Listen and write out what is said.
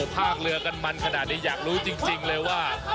พากเรือกันมันขนาดนี้อยากรู้จริงเลยว่า